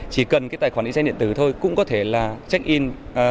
chỉ cần cái tài khoản ứng dụng điện tử thôi cũng có thể là check in